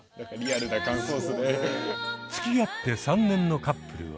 つきあって３年のカップルは。